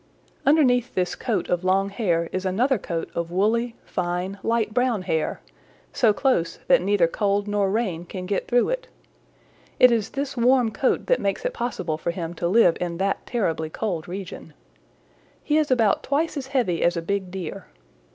"Underneath this coat of long hair is another coat of woolly, fine light brown hair, so close that neither cold nor rain can get through it. It is this warm coat that makes it possible for him to live in that terribly cold region. He is about twice as heavy as a big Deer.